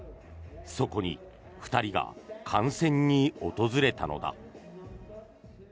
そこに２人が観戦に訪れたのだ。